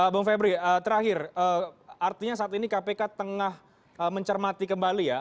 bang febri terakhir artinya saat ini kpk tengah mencermati kembali ya